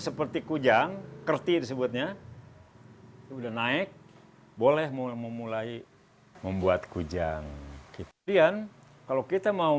seperti kujang kerti disebutnya udah naik boleh memulai membuat kujang kemudian kalau kita mau